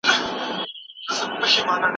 دا حدیث موږ ته راښيي چي انسانان بې عیبه نه دي